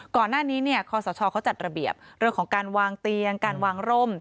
ก่อนหน้านี้คอสชเขาจัดระเบียบเรื่องของการวางเตียงการวางร่ม